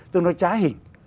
tôi nói trái hình